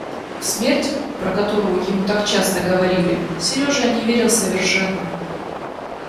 В смерть, про которую ему так часто говорили, Сережа не верил совершенно.